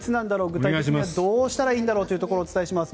具体的にはどうしたらいいんだろうかというところをお伝えします。